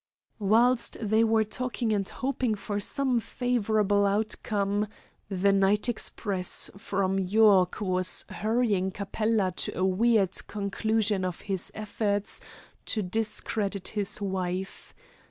Whilst they were talking and hoping for some favourable outcome, the night express from York was hurrying Capella to a weird conclusion of his efforts to discredit his wife.